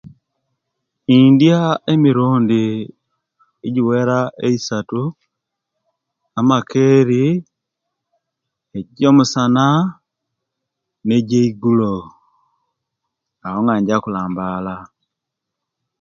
Indiya emirundi ejiwera eisatu amakeri, ekyomusana nekyegul awo nga njaba okukambala